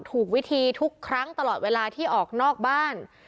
ถูกวิธีทุกครั้งตลอดเวลาที่ออกนอกบ้าน